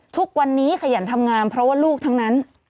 ทุกวันนี้ขยันทำงานเพราะว่าลูกทั้งนั้น